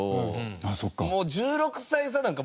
あっそうか。